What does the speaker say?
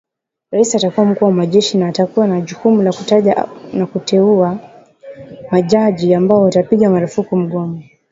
Rais atakuwa mkuu wa majeshi na atakuwa na jukumu la kutaja au kuteua majaji ambao watapiga marufuku mgomo